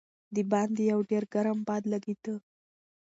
د باندې یو ډېر ګرم باد لګېده.